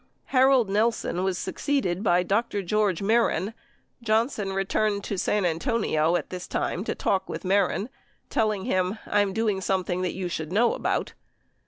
Harold Nelson was succeeded by Dr. George Mehren, John son returned to San Antonio at this time to talk with Mehren, telling him, "I am doing something that you should know about."